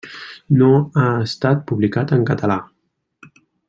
No ha estat publicat en català.